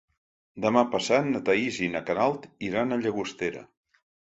Demà passat na Thaís i na Queralt iran a Llagostera.